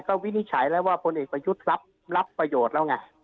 ก็วินิจฉัยแล้วว่าพลเอกประยุทธ์รับประโยชน์แล้วไง